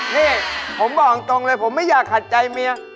นี่ผมบอกตรงเลยผมไม่อยากขัดใจเมีย